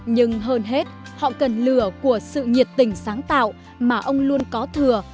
nhưng hơn hết họ cần lửa của sự nhiệt tình sáng tạo mà ông luôn có thừa